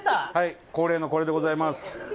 恒例のこれでございます。